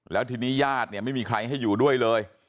แล้วทีนี้ญาติเนี่ยไม่มีใครให้อยู่ด้วยเลย